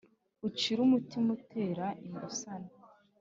Ucire umutima utera imbusane